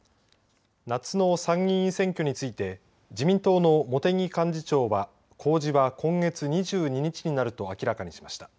夏の参議院選挙について自民党の茂木幹事長は公示は今月２２日になると明らかにしました。